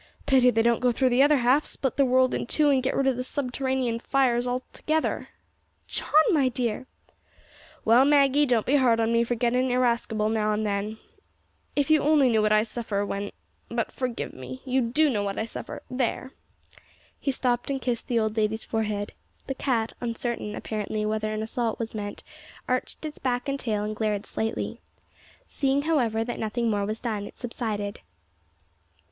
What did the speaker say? Pity they don't go through the other half, split the world in two, and get rid of the subterranean fires altogether." "John, my dear!" "Well, Maggie, don't be hard on me for gettin' irascible now and then. If you only knew what I suffer when but forgive me. You do know what I suffer there!" He stooped and kissed the old lady's forehead. The cat, uncertain, apparently, whether an assault was meant, arched its back and tall, and glared slightly. Seeing however that nothing more was done, it subsided.